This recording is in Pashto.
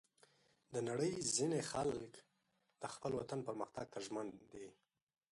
د نړۍ ځینې خلک د خپل وطن پرمختګ ته ژمن دي.